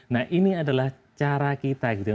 nah ini adalah cara kita gitu ya